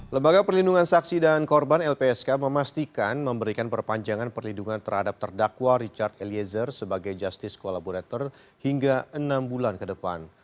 lembaga perlindungan saksi dan korban lpsk memastikan memberikan perpanjangan perlindungan terhadap terdakwa richard eliezer sebagai justice collaborator hingga enam bulan ke depan